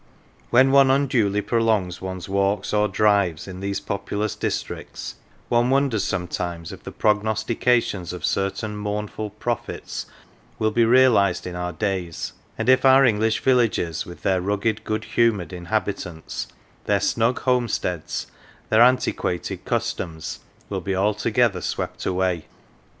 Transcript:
When one unduly prolongs one's walks or drives 3 THORN LEIGH in these populous districts, one wonders sometimes if the prognostications of certain mournful prophets will be realised in our days, and if our English villages, with their rugged, good humoured inhabitants, their snug homesteads, their antiquated customs, will be altogether swept away.